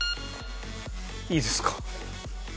いいですか？